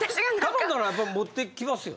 頼んだらやっぱ持ってきますよ。